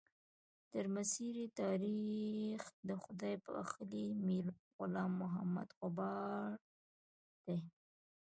درمسیر تاریخ د خدای بخښلي میر غلام محمد غبار دی.